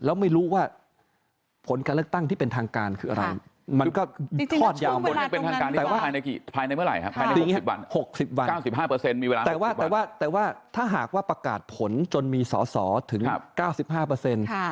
แล้วไม่รู้ว่าผลการเลือกตั้งที่เป็นทางการคืออะไรมันก็ทอดยาวแต่ว่าถ้าหากว่าประกาศผลจนมีสอสอถึง๙๕เปอร์เซ็นต์